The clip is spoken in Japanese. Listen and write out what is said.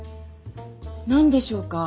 何でしょうか？